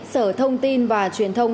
sở thông tin và truyền thông